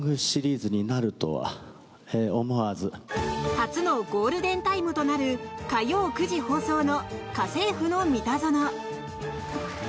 初のゴールデンタイムとなる火曜９時放送の「家政夫のミタゾノ」。